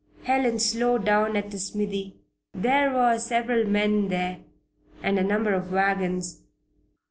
Helen slowed down at the smithy. There were several men there and a number of wagons.